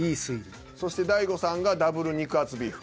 そして大悟さんがダブル肉厚ビーフ。